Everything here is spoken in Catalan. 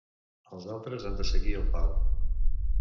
Els altres han de seguir el pal.